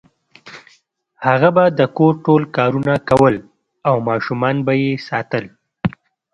هغه به د کور ټول کارونه کول او ماشومان یې ساتل